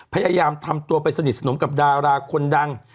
พยายามทำตัวไปสนิทสนมกับดาราคนดัง